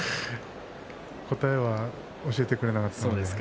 答えは教えてくれなかったですね。